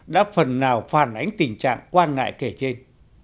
đã phần nào phản ánh tình trạng quan ngại kể trên